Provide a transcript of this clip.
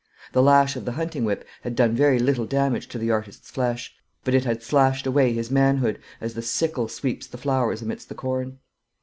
The lash of the hunting whip had done very little damage to the artist's flesh; but it had slashed away his manhood, as the sickle sweeps the flowers amidst the corn.